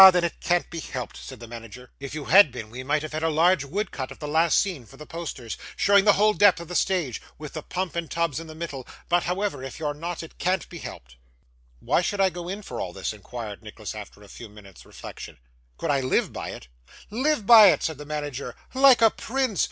Then it can't be helped,' said the manager. 'If you had been, we might have had a large woodcut of the last scene for the posters, showing the whole depth of the stage, with the pump and tubs in the middle; but, however, if you're not, it can't be helped.' 'What should I get for all this?' inquired Nicholas, after a few moments' reflection. 'Could I live by it?' 'Live by it!' said the manager. 'Like a prince!